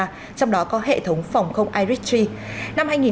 trong đó có hệ thống phòng không irig ba